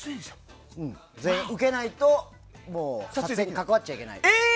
全員受けないと撮影に関わっちゃいけない。